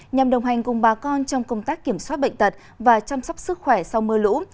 nhằm đồng hành cùng bà con trong công tác kiểm soát bệnh tật và chăm sóc sức khỏe sau mưa lũ